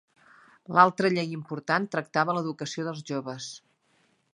L'altra llei important tractava l'educació dels joves.